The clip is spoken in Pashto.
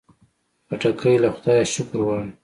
خټکی له خدایه شکر غواړي.